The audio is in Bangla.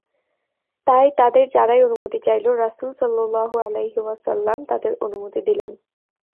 তাই তাদের যারাই অনুমতি চাইল রাসূল সাল্লাল্লাহু আলাইহি ওয়াসাল্লাম তাদের অনুমতি দিলেন।